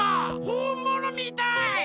ほんものみたい！